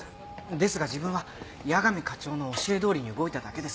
ですが自分は矢上課長の教えどおりに動いただけです。